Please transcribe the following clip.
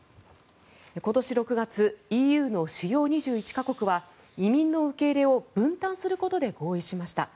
今年６月ＥＵの主要２１か国は移民の受け入れを分担することで合意しました。